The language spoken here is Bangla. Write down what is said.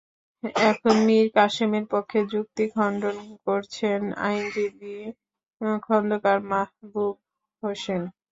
এখন মীর কাসেমের পক্ষে যুক্তি খণ্ডন করছেন আইনজীবী খন্দকার মাহবুব হোসেন।